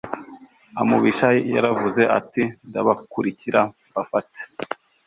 Umubisha yaravuze ati Ndabakurikira mbafat